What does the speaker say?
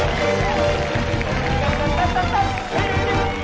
ไป